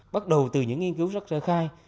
bắt đầu từ những nghiên cứu rất sơ khai